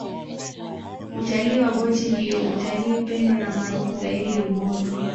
utalii wa boti ndiyo utalii pendwa na maarufu zaidi rubondo